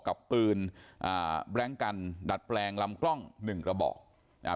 กับปืนอ่าแบล็งกันดัดแปลงลำกล้องหนึ่งกระบอกอ่า